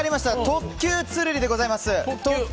特急ツルリでございます。